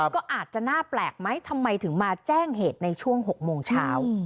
ก็อาจจะน่าแปลกไหมทำไมถึงมาแจ้งเหตุในช่วง๖โมงเช้า